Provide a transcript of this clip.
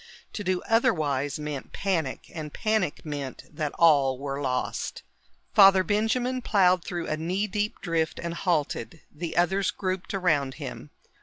To do otherwise meant panic, and panic meant that all were lost. Father Benjamin plowed through a knee deep drift and halted. The others grouped around him.